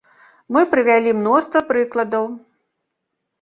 Мы прывялі мноства прыкладаў.